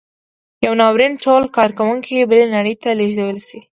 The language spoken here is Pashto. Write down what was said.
یو ناورین ټول کارکوونکي بلې نړۍ ته لېږدولی شي.